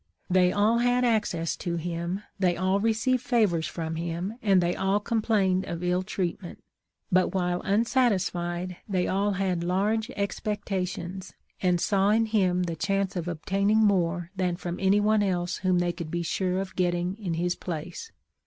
" They all had access to him, they all received favors from him, and they all complained of ill treatment ; but while unsatisfied, they all had ' large expectations,' and saw in him the chance of obtain ing more than from anyone else whom they could 534 THE LIFE OF LINCOLN. be sure of getting in his place.